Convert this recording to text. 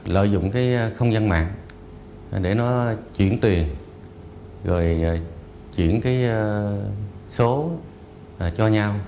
lợi dụng cái không gian mạng để nó chuyển tiền rồi chuyển cái số cho nhau